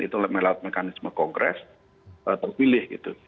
itu melalui mekanisme kongres terpilih gitu